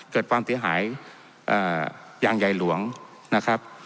เกิดความเสียหายอย่างใหญ่หลวงนะครับ